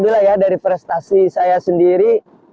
saya dari prestasi saya sendiri